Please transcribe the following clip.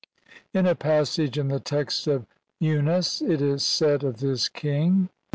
In a passage in the text of Unas it is said of this king (1.